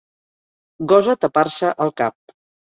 Gosa tapar-se el cap.